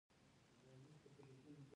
هندیان په بهر کې بریالي دي.